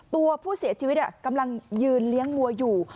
ตัวผู้เสียชีวิตกำลังยืนเลี้ยงวัวอยู่